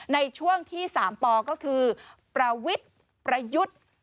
ในช่วงที่๓ปก็คือประวิทย์ประยุทธ์